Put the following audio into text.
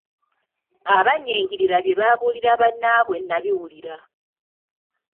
Abannyingirira bye babuulira bannaabwe nnabiwulira.